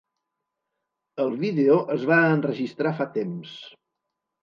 El vídeo es va enregistrar fa temps.